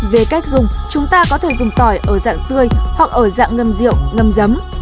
về cách dùng chúng ta có thể dùng tỏi ở dạng tươi hoặc ở dạng ngâm rượu ngâm giấm